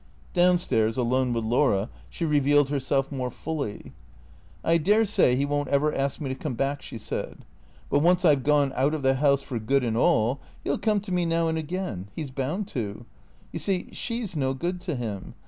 Down stairs, alone with Laura, she revealed herself more fully. " I dare say 'e won't ever ask me to come back," she said. " But once I 've gone out of the house for good and all, 'e '11 come to me now and again. He 's bound to. You see, she 's no good to him.